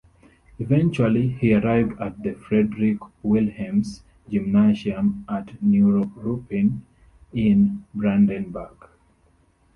Eventually, he arrived at the Friedrich-Wilhelms-Gymnasium at Neuruppin in Brandenburg.